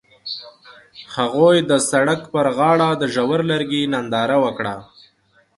هغوی د سړک پر غاړه د ژور لرګی ننداره وکړه.